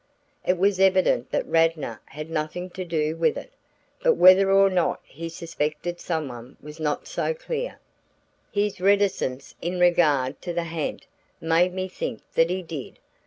It was evident that Radnor had nothing to do with it, but whether or not he suspected someone was not so clear. His reticence in regard to the ha'nt made me think that he did.